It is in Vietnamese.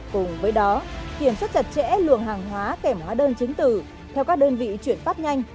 cùng với đó kiểm soát chặt chẽ lượng hàng hóa kèm hóa đơn chính từ theo các đơn vị chuyển pháp nhanh